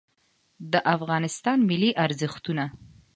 د افغانستان ملي ارزښتونه